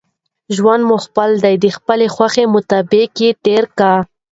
ژوند مو خپل دئ، د خپلي خوښي مطابق ئې تېر که!